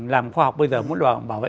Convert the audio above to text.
làm khoa học bây giờ muốn bảo vệ